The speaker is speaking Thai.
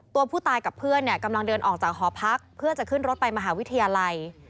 ตัวผู้ตายกับเพื่อนกำลังเดินออกจากหอพักเพื่อจะขึ้นรถไปมหาวิทยาลัย